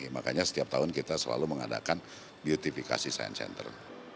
makanya setiap tahun kita selalu mengadakan beautifikasi science center